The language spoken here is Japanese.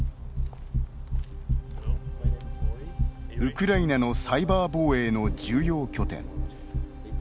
ウクライナのサイバー防衛の重要拠点。